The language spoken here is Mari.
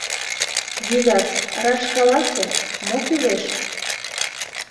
Вигак, раш каласе: мо кӱлеш?